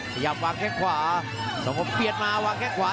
พยายามวางแค่งขวาสองครบเปลี่ยนมาวางแค่งขวา